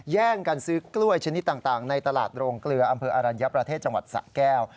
แย่งกันซื้อกล้วยชนิดต่างในตลาดโรงเกลืออำเภออรัญญประเทศจังหวัดสะแก้ว